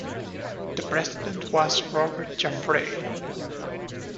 The president was Robert Jaffray.